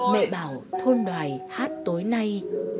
mẹ bảo thôn đoài hát tối nay